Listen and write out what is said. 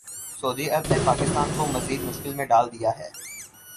سعودی عرب نے پاکستان کو مزید مشکل میں ڈال دیا ہے